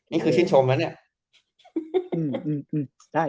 นี่คือชิ้นชมแล้วเนี่ย